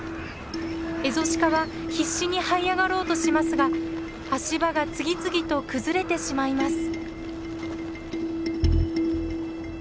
エゾシカは必死にはい上がろうとしますが足場が次々と崩れてしまいます。